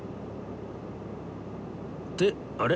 ってあれ？